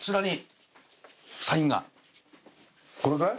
これかい？